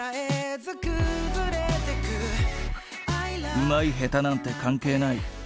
うまい下手なんて関係ない。